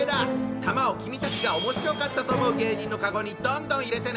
玉を君たちがおもしろかったと思う芸人のカゴにどんどん入れてね！